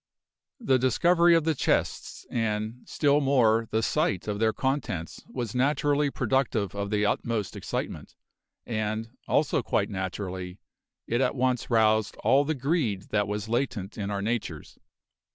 The discovery of the chests and, still more, the sight of their contents was naturally productive of the utmost excitement, and, also quite naturally, it at once roused all the greed that was latent in our natures.